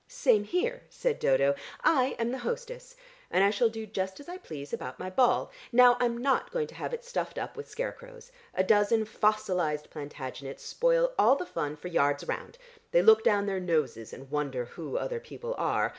"Same here," said Dodo. "I am the hostess and I shall do just as I please about my ball. Now I'm not going to have it stuffed up with scarecrows. A dozen fossilised Plantagenets spoil all the fun for yards round. They look down their noses and wonder who other people are.